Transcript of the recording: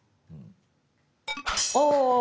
お。